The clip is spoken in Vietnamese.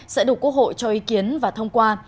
sẽ đủ cố hội cho ý kiến và thông qua